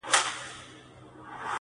څوک له ښاره څوک راغلي وه له کلي!.